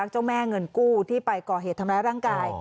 เจ้าแม่เงินกู้ที่ไปก่อเหตุทำร้ายร่างกาย